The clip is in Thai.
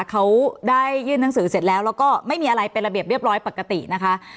เขาได้ยื่นหนังสือเสร็จแล้วแล้วก็ไม่มีอะไรเป็นระเบียบเรียบร้อยปกตินะคะ